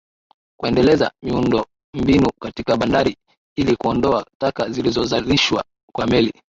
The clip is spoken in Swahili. Kuendeleza miundombinu katika bandari ili kuondoa taka zilizozalishwa kwa meli